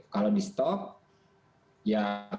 kalau di stop ya karena kontrak tadi